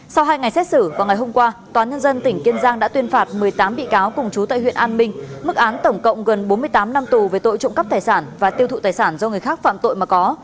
sau hai ngày xét xử vào ngày hôm qua tòa nhân dân tỉnh kiên giang đã tuyên phạt một mươi tám bị cáo cùng chú tại huyện an minh mức án tổng cộng gần bốn mươi tám năm tù về tội trộm cắp tài sản và tiêu thụ tài sản do người khác phạm tội mà có